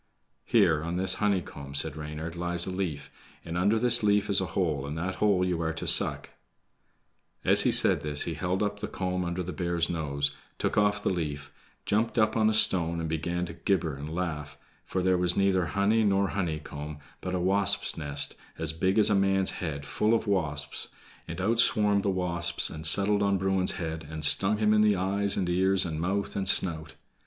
"Here, on this honeycomb," said Reynard, "lies a leaf, and under this leaf is a hole, and that hole you are to suck." As he said this he held up the comb under the bear's nose, took off the leaf, jumped up on a stone, and began to gibber and laugh, for there was neither honey nor honeycomb, but a wasp's nest, as big as a man's head, full of wasps, and out swarmed the wasps and settled on Bruin's head, and stung him in his eyes and ears, and mouth and snout.